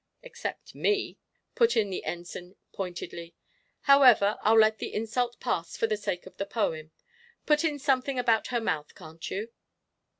"Except me," put in the Ensign, pointedly. "However, I'll let the insult pass for the sake of the poem. Put in something about her mouth, can't you?"